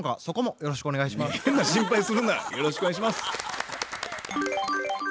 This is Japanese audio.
よろしくお願いします。